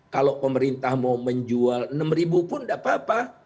kalau pemerintah mau menjual enam ribu pun tidak apa apa